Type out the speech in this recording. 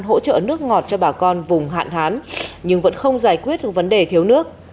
hỗ trợ nước ngọt cho bà con vùng hạn hán nhưng vẫn không giải quyết được vấn đề thiếu nước